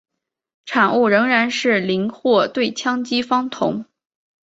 产物仍然是邻或对羟基芳酮。